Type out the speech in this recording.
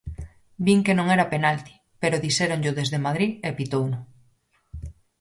Vin que non era penalti, pero dixéronllo desde Madrid e pitouno.